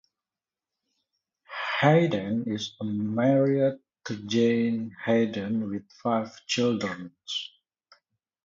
Heiden is married to Jane Heiden with five children.